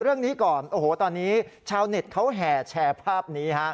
เรื่องนี้ก่อนโอ้โหตอนนี้ชาวเน็ตเขาแห่แชร์ภาพนี้ฮะ